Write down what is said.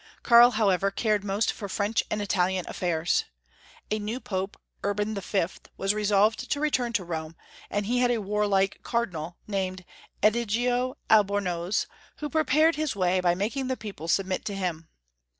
Karl, however, cared most for French and Italian affaii s. A new Pope, Urban V., was resolved to return to Rome, and he had a warlike Cardinal, named Egid: o Albornoz, who prepared his way by Karl IV. 221 making the people submit to him.